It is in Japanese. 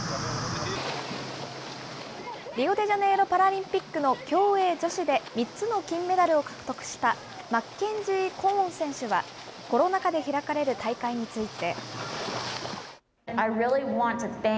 リオデジャネイロパラリンピックの競泳女子で３つの金メダルを獲得したマッケンジー・コーン選手は、コロナ禍で開かれる大会について。